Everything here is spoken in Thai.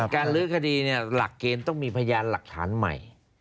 ลื้อคดีหลักเกณฑ์ต้องมีพยานหลักฐานใหม่